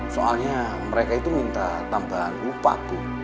soalnya mereka itu minta tambahan upah bu